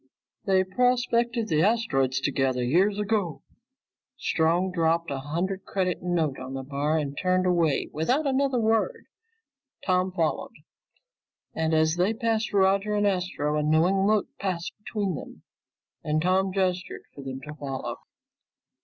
"They prospected the asteroids together years ago." Strong dropped a hundred credit note on the bar and turned away without another word. Tom followed, and as they passed Roger and Astro, a knowing look passed between them, and Tom gestured for them to follow.